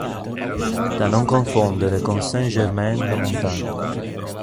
Da non confondere con Saint-Germain-la-Montagne.